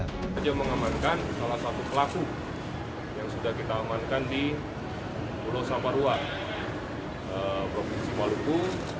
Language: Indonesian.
saya mengamankan salah satu pelaku yang sudah kita amankan di pulau sabarua provinsi maluku